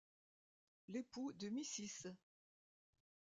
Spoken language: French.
L’époux de Mrs.